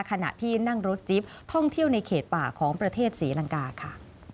ขณะที่นั่งรถจิ๊บท่องเที่ยวในเขตป่าของประเทศศรีลังกาค่ะ